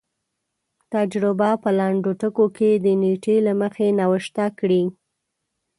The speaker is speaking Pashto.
تجربه په لنډو ټکو کې د نېټې له مخې نوشته کړي.